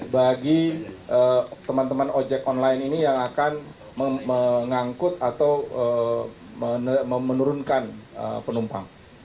bagi teman teman ojek online ini yang akan mengangkut atau menurunkan penumpang